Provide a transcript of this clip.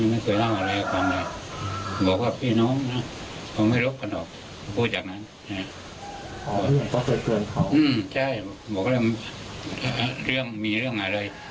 บอกว่าพี่น้องนะไม่รู้กันออกพูดจากนั้นใช่บอกเรื่องมีเรื่องอะไรเลย